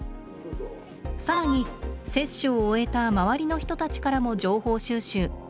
更に接種を終えた周りの人たちからも情報収集。